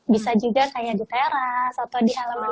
bisa juga kayak di teras atau di halaman